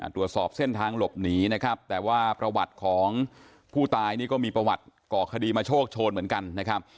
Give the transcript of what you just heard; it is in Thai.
ตรวจสอบเส้นทางหลบหนีนะครับแต่ว่าประวัติของผู้ตายนี่ก็มีประวัติก่อคดีมาโชคโชนเหมือนกันนะครับ